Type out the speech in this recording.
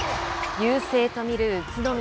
優勢と見る宇都宮。